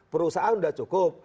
perusahaan sudah cukup